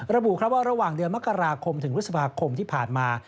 ระบุครับว่าระหว่างเดือนมกราคมถึงพฤษภาคมที่ผ่านมา